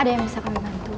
ada yang bisa kami bantu